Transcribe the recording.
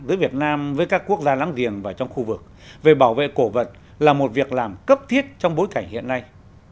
giữa việt nam với các quốc gia láng giềng và trong khu vực về bảo vệ cổ vật là một việc làm cấp thiết trong bối cảnh hiện nay